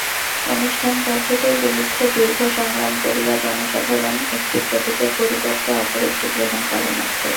অনুষ্ঠানপদ্ধতির বিরুদ্ধে দীর্ঘ সংগ্রাম করিয়া জনসাধারণ একটি প্রতীকের পরিবর্তে অপর একটি গ্রহণ করে মাত্র।